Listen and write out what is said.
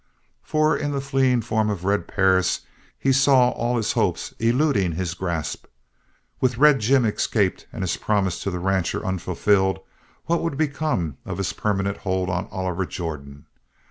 For in the fleeing form of Red Perris he saw all his hopes eluding his grasp. With Red Jim escaped and his promise to the rancher unfulfilled, what would become of his permanent hold on Oliver Jordan?